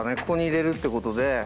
ここに入れるってことで。